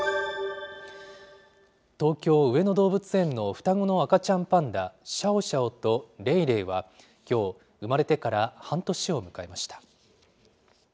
東京・上野動物園の双子の赤ちゃんパンダ、シャオシャオとレイレイは、きょう、生まれてから半年を迎えました。